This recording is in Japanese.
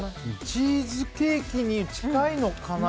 チーズケーキに近いのかな。